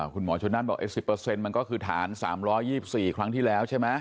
คุณหมอชนนั่นบอก๑๐มันก็คือฐาน๓๒๔ครั้งที่แล้วใช่ไหม